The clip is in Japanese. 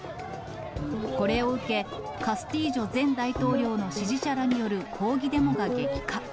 これを受け、カスティージョ前大統領の支持者らによる抗議デモが激化。